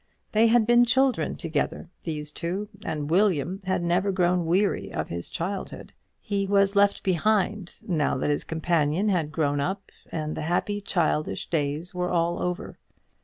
They had been children together, these two, and William had never grown weary of his childhood. He was left behind now that his companion had grown up, and the happy childish days were all over.